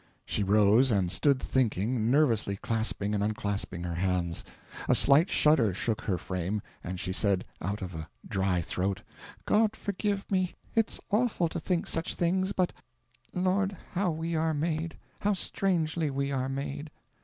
She rose and stood thinking, nervously clasping and unclasping her hands. A slight shudder shook her frame, and she said, out of a dry throat, "God forgive me it's awful to think such things but... Lord, how we are made how strangely we are made!"